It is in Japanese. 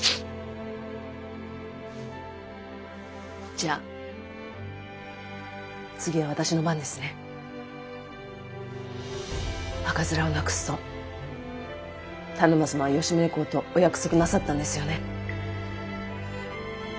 じゃ次は私の番ですね。赤面をなくすと田沼様は吉宗公とお約束なさったんですよね。